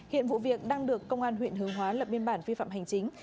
hiện vụ việc đang được công an huyện hướng hóa lập biên bản vi phạm hành chính